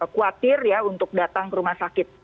khawatir ya untuk datang ke rumah sakit